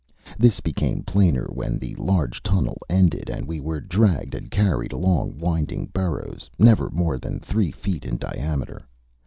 This became plainer when the large tunnel ended, and we were dragged and carried along winding burrows, never more than three feet in diameter.